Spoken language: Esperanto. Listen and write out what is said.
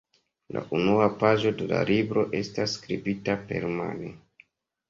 La unua paĝo de la libro estas skribita permane.